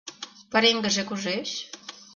— Пареҥгыже кушеч?